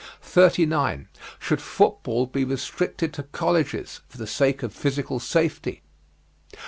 39. Should football be restricted to colleges, for the sake of physical safety?